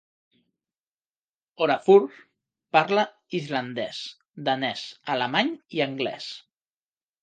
Olafur parla islandès, danès, alemany i anglès.